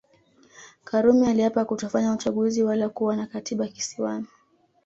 Karume aliapa kutofanya uchaguzi wala kuwa na Katiba Kisiwani